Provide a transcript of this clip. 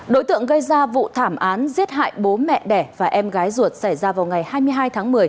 đối tượng gây ra vụ thảm án giết hại bố mẹ đẻ và em gái ruột xảy ra vào ngày hai mươi hai tháng một mươi